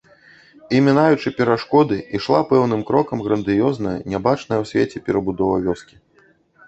І, мінаючы перашкоды, ішла пэўным крокам грандыёзная, нябачаная ў свеце перабудова вёскі.